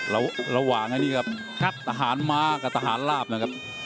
ระหว่างอันนี้ครับทหารม้ากับทหารลาบนะครับ